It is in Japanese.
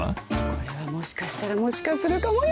これはもしかしたらもしかするかもよ。